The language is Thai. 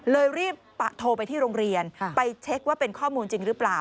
เลยรีบโทรไปที่โรงเรียนไปเช็คว่าเป็นข้อมูลจริงหรือเปล่า